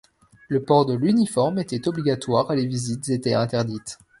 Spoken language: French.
Le port de l’uniforme était obligatoire et les visites étaient interdites.